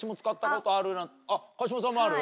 川島さんもある？